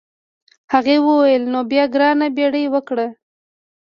هغې وویل نو بیا ګرانه بیړه وکړه.